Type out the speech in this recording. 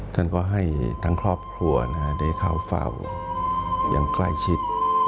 ท่านก็ให้ทั้งครอบครัวได้เข้าเฝ้าอย่างใกล้ชิด